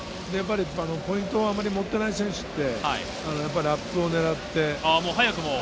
ポイントはあまり持っていない選手はラップを狙って。